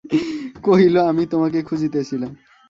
কহিল, আমি তোমাকে খুঁজিতেছিলাম।